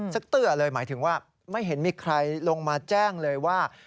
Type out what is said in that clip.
เตื้อเลยหมายถึงว่าไม่เห็นมีใครลงมาแจ้งเลยว่า